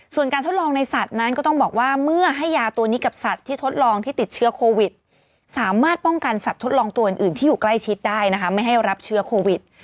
ส่วนการทดลองในสัตว์นั้นก็ต้องบอกว่าเมื่อให้ยาตัวนี้กับสัตว์ที่ทดลองที่ติดเชื้อโควิดสามารถป้องกันสัตว์ทดลองตัวอื่นที่อยู่ใกล้ชิดได้นะคะไม่ให้รับเชื้อโควิด